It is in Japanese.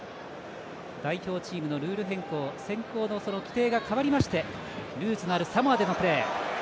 代表チームのルール変更、選考の規定が変わりましてルーツのあるサモアでのプレー。